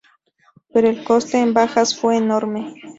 Pero el coste en bajas fue enorme.